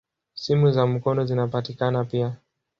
Simu za mkono zinapatikana pia.